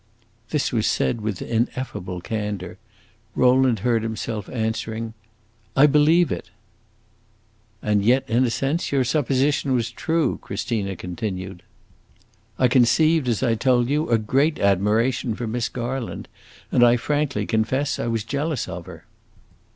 This was said with ineffable candor. Rowland heard himself answering, "I believe it!" "And yet, in a sense, your supposition was true," Christina continued. "I conceived, as I told you, a great admiration for Miss Garland, and I frankly confess I was jealous of her.